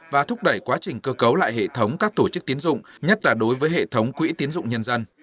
và thúc đẩy quá trình cơ cấu lại hệ thống các tổ chức tiến dụng nhất là đối với hệ thống quỹ tiến dụng nhân dân